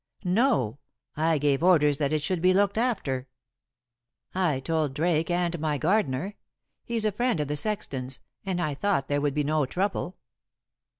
"No, I gave orders that it should be looked after. I told Drake and my gardener. He's a friend of the sexton's, and I thought there would be no trouble."